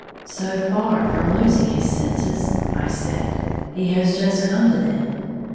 '"] "So far from losing his senses," I said, "he has just come to them.